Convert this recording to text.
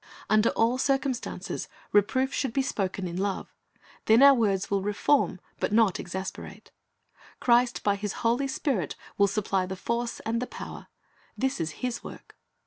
Under all circum stances reproof should be spoken in love. Then our words will reform, but not exasperate. Christ by His Holy Spirit will supply the force and the power. This is His work.